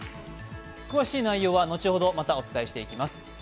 詳しい内容は、後ほどまたお伝えしていきます。